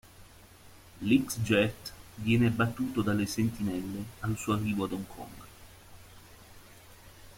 L'X-Jet viene abbattuto dalle Sentinelle al suo arrivo ad Hong Kong.